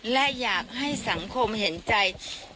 และอยากให้สังคมเห็นใจ